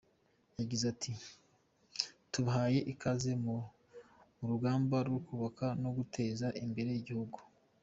Yagize ati “Tubahaye ikaze mu rugamba rwo kubaka no guteza imbere igihugu.